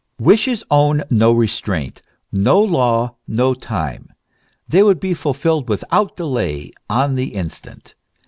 Wishes own no restraint, no law, no time ; they would be fulfilled without delay on the instant.